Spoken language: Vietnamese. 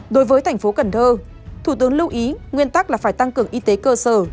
đối với thành phố cần thơ thủ tướng lưu ý nguyên tắc là phải tăng cường y tế cơ sở